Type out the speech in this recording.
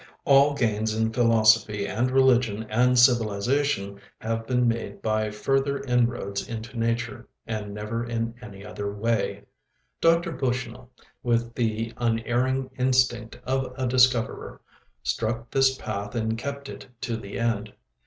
All gains in philosophy and religion and civilization have been made by further inroads into nature, and never in any other way. Dr. Bushnell, with the unerring instinct of a discoverer, struck this path and kept it to the end.